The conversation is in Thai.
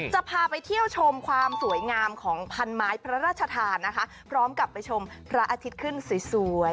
จะพาไปเที่ยวชมความสวยงามของพันไม้พระราชทานนะคะพร้อมกับไปชมพระอาทิตย์ขึ้นสวย